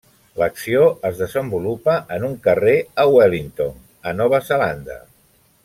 L'acció es desenvolupa en un carrer a Wellington, a Nova Zelanda.